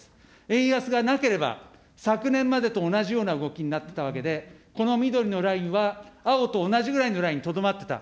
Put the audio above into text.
円安がなければ、昨年までと同じような動きになってたわけで、この緑のラインは、青と同じぐらいのラインにとどまってた。